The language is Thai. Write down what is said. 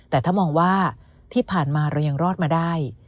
แต่ถ้ามองว่าที่ผ่านมาเรายังรอดมาได้